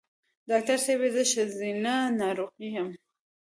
ډاکټر صېبې زه ښځېنه ناروغی یم